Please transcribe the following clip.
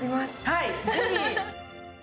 はい、ぜひ。